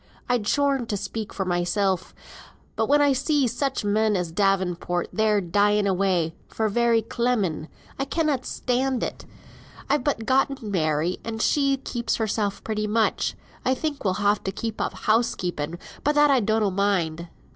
I'd scorn to speak for mysel; but when I see such men as Davenport there dying away, for very clemming, I cannot stand it. I've but gotten Mary, and she keeps hersel pretty much. I think we'll ha' to give up house keeping; but that I donnot mind."